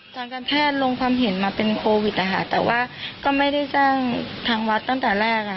ทางครอบครัวก็เลยฝากขอบคุณทุกพลังของสังคมที่ช่วยเหลือครอบครัวจนกระทั่งได้วัดแล้วนะครับตอนนี้ได้วัดแล้วนะครับตอนนี้ได้วัดแล้วนะครับ